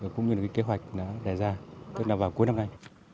cũng như kế hoạch đã đề ra tức là vào cuối năm nay